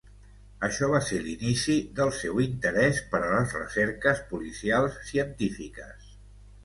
Això va ser l'inici del seu interès per a les recerques policials científiques.